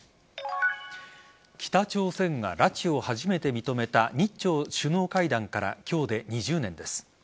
北朝鮮が拉致を初めて認めた日朝首脳会談から今日で２０年です。